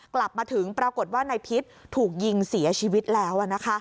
กลับมาถึงปรากฏว่านายพิษถูกยิงเสียชีวิตแล้ว